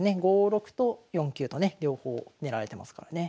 ５六と４九とね両方狙われてますからね。